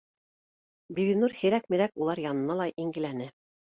Бибинур һирәк мирәк улар янына ла ингеләне